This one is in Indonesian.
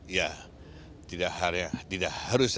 ya tidak harus